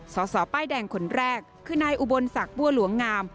สสป้ายแดงคนแรกคือนายอุบลศักดิ์บัวหลวงงาม